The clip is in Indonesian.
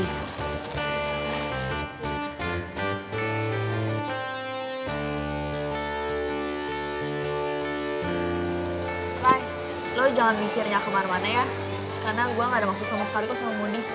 hai lo jangan mikirnya kemar marah ya karena gue gak ada maksud sama sekali sama mondi